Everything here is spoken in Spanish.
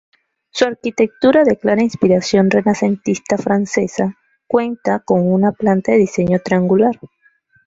Su arquitectura de clara inspiración renacentista francesa, cuenta con una planta de diseño triangular.